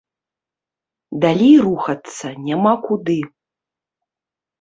Далей рухацца няма куды.